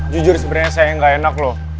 jujur sebenernya saya yang gak enak loh